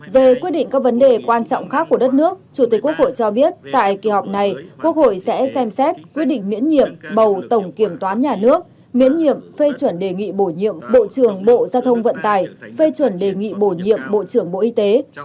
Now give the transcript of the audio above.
về quyết định các vấn đề quan trọng khác của đất nước chủ tịch quốc hội cho biết tại kỳ họp này quốc hội sẽ xem xét quyết định miễn nhiệm bầu tổng kiểm toán nhà nước miễn nhiệm phê chuẩn đề nghị bổ nhiệm bộ trưởng bộ giao thông vận tài phê chuẩn đề nghị bổ nhiệm bộ trưởng bộ y tế